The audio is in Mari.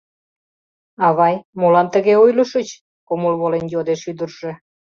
— Авай, молан тыге ойлышыч? — кумыл волен, йодеш ӱдыржӧ.